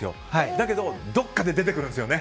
だけど、どこかで出てくるんですよね。